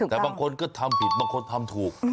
แต่บางคนก็ทำผิดบางคนทำถูก